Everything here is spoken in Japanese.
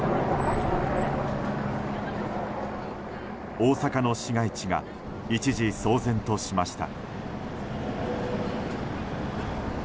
大阪の市街地が一時、騒然としました。